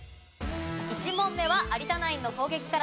１問目は有田ナインの攻撃からです。